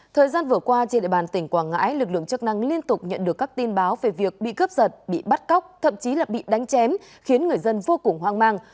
thời gian vừa qua trên địa bàn tỉnh quảng ngãi lực lượng chức năng liên tục nhận được các tin báo về việc bị cướp giật bị bắt cóc thậm chí là bị đánh chém khiến người dân vô cùng hoang mang